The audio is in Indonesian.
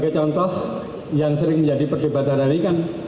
contoh yang sering menjadi perdebatan hari kan